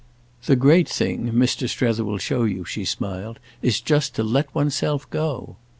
The great thing, Mr. Strether will show you," she smiled, "is just to let one's self go."